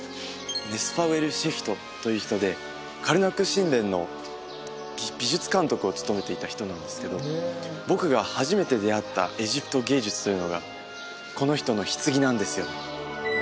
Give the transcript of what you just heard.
ネスパウェルシェフィトという人でカルナック神殿の美術監督を務めていた人なんですけど僕が初めて出会ったエジプト芸術というのがこの人の棺なんですよ